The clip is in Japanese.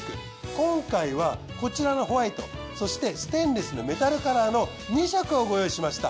今回はこちらのホワイトそしてステンレスのメタルカラーの２色をご用意しました。